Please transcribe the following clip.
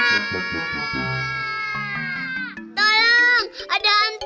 aku takut sama kamu